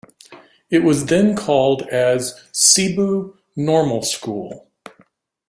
It was then called as "Cebu Normal School".